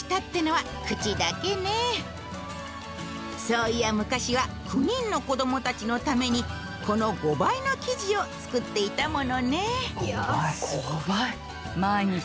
そういや昔は９人の子供たちのためにこの５倍の生地を作っていたものね。